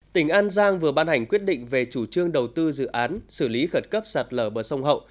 tỉnh an giang vừa ban hành quyết định về chủ trương đầu tư dự án xử lý khẩn cấp sạt lở bờ sông hậu